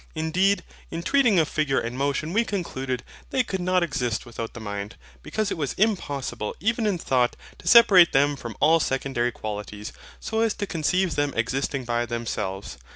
Indeed, in treating of figure and motion we concluded they could not exist without the mind, because it was impossible even in thought to separate them from all secondary qualities, so as to conceive them existing by themselves.